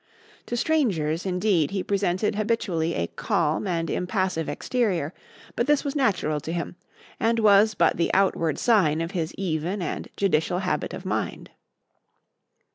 To strangers, indeed, he presented habitually a calm and impassive exterior; but this was natural to him, and was but the outward sign of his even and judicial habit of mind.